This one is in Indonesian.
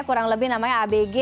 kurang lebih namanya abg